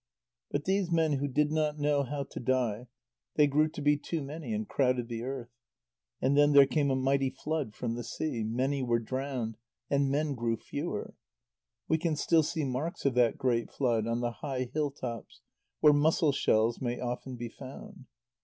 But these men who did not know how to die, they grew to be too many, and crowded the earth. And then there came a mighty flood from the sea. Many were drowned, and men grew fewer. We can still see marks of that great flood, on the high hill tops, where mussel shells may often be found.